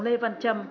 lê văn trâm